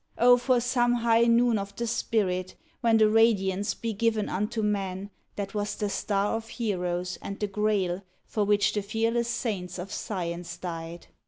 Oh ! for some high noon of the spirit, when The Radiance be given unto men That was the star of heroes and the Grail For which the fearless saints of science died